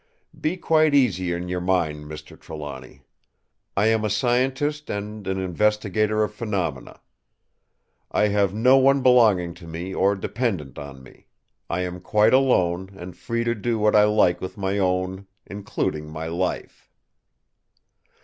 Be quite easy in your mind, Mr. Trelawny. I am a scientist and an investigator of phenomena. I have no one belonging to me or dependent on me. I am quite alone, and free to do what I like with my own—including my life!"